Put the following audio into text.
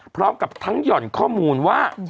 พร้อมกับทั้งหย่อนข้อมูลว่า